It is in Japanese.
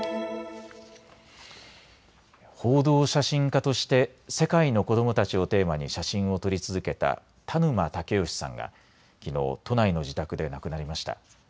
報道写真家として世界の子どもたちをテーマに写真を撮り続けた田沼武能さんがきのう都内の自宅で亡くなりました。